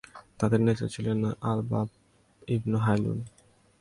তাদের নেতা ছিলেন আলবাব ইবন হাইলূন।